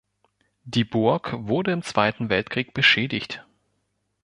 Die Burg wurde im Zweiten Weltkrieg beschädigt.